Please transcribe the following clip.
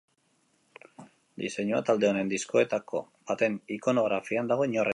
Diseinua, talde honen diskoetako baten ikonografian dago oinarrituta.